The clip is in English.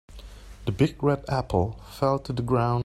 The big red apple fell to the ground.